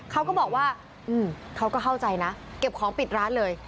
เขาก็บอกว่าเขาก็เข้าใจนะเก็บของปิดร้านเลย